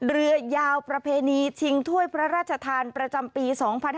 เรือยาวประเพณีชิงถ้วยพระราชทานประจำปี๒๕๕๙